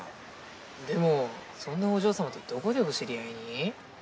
でもそんなお嬢さまとどこでお知り合いに？